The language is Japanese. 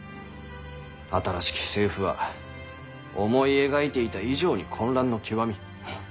新しき政府は思い描いていた以上に混乱の極み。